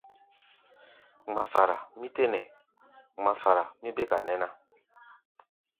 Ŋmafara mí tɛ́ nɛ, ŋmafara mí béka nɛ́ ná.